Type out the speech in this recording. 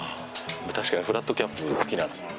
確かにフラットキャップ好きなんですよ。